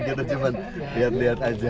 kita cuma lihat lihat aja